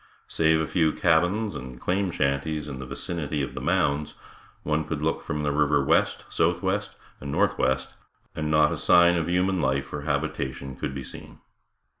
Save a few cabins and claim shanties in the vicinity of the Mounds, one could look from the river west, southwest and northwest, and not a sign of human life or habitation could be seen.